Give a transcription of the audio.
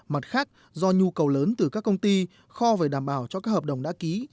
mặt khác do nhu cầu lớn từ các công ty kho phải đảm bảo cho các hợp đồng đã ký